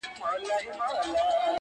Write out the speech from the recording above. ستا پر سره ګلاب چي و غوړېږمه,